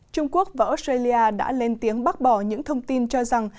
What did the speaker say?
trung quốc và australia đã lên tiếng bác bỏ những thông tin cho rằng